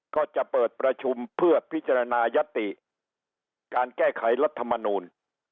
ก็จะเปิดประชุมเพื่อพิจารณายติการแก้ไขรัฐมนูล